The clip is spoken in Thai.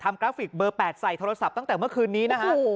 กราฟิกเบอร์๘ใส่โทรศัพท์ตั้งแต่เมื่อคืนนี้นะฮะ